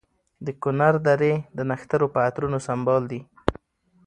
د کنر درې د نښترو په عطرونو سمبال دي.